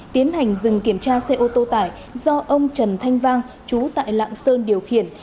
tiến hành dừng kiểm tra xe ô tô tải do ông trần thanh vang chú tại lạng sơn điều khiển